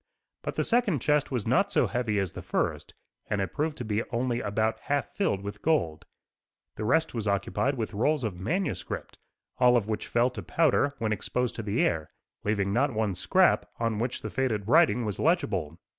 But the second chest was not so heavy as the first, and it proved to be only about half filled with gold. The rest was occupied with rolls of manuscript, all of which fell to powder when exposed to the air, leaving not one scrap on which the faded writing was legible.